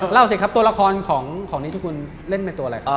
เล่าสิครับตัวละครของนี้ที่คุณเล่นเป็นตัวอะไร